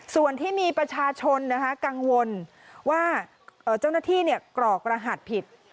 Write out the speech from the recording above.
ส่วนที่มีประชาชนกังวลว่าเจ้าหน้าที่กรกรหัสผิด